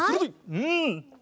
うん。